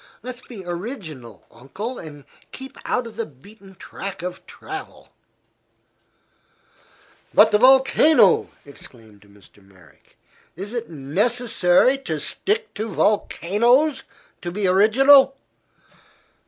Let's be original, Uncle, and keep out of the beaten track of travel." "But the volcano!" exclaimed Mr. Merrick. "Is it necessary to stick to volcanoes to be original?"